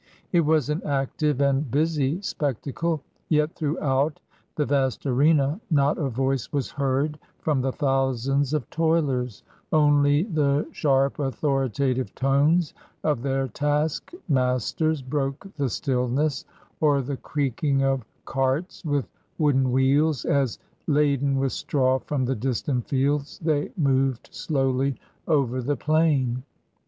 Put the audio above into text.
It was an active and busy spectacle. Yet throughout the vast arena not a voice was heard from the thousands of toilers; only the sharp authoritative tones of their taskmasters broke the stillness, or the creaking of carts with wooden wheels, as, laden with straw from the distant fields, they moved slowly over the plain.